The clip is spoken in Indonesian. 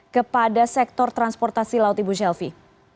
kepada sektor transportasi laut ibu shelfie